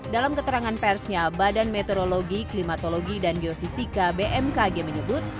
dalam keterangan persnya badan meteorologi klimatologi dan geofisika bmkg menyebut